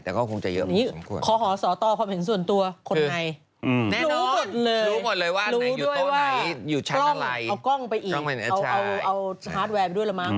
แต่ก็คงจะเยอะมากสมควร